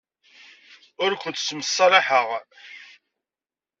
Ur kent-ssemṣalaḥeɣ.